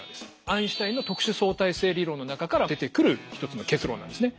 アインシュタインの特殊相対性理論の中から出てくる一つの結論なんですね。